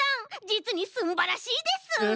じつにすんばらしいです！